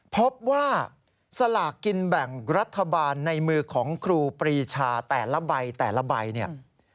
พบว่าสลากกินแบ่งรัฐบาลในมือของครูปรีชาแต่ละใบแต่ละใบเนี่ย